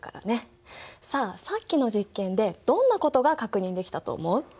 さあさっきの実験でどんなことが確認できたと思う？